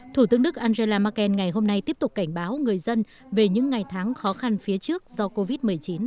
thủ tướng đức angela merkel ngày hôm nay tiếp tục cảnh báo người dân về những ngày tháng khó khăn phía trước do covid một mươi chín